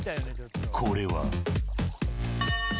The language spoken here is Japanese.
これは。